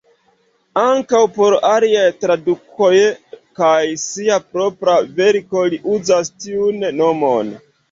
Ankaŭ por aliaj tradukoj kaj sia propra verko li uzas tiun nomon.